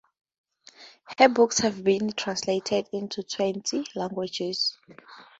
Her books have been translated into twenty languages.